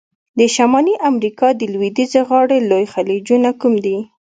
د شمالي امریکا د لویدیځه غاړي لوی خلیجونه کوم دي؟